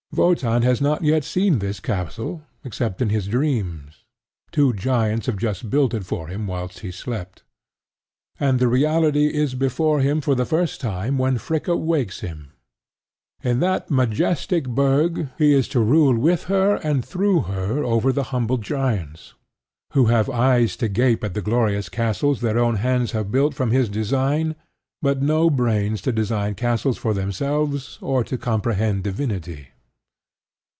Wotan has not yet seen this castle except in his dreams: two giants have just built it for him whilst he slept; and the reality is before him for the first time when Fricka wakes him. In that majestic burg he is to rule with her and through her over the humble giants, who have eyes to gape at the glorious castles their own hands have built from his design, but no brains to design castles for themselves, or to comprehend divinity.